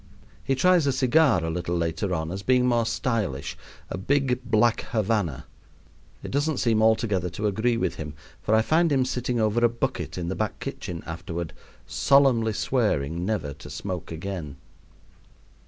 He tries a cigar a little later on as being more stylish a big black Havanna. It doesn't seem altogether to agree with him, for I find him sitting over a bucket in the back kitchen afterward, solemnly swearing never to smoke again.